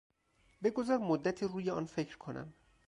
بگذار مدتی روی آن فکر کنم.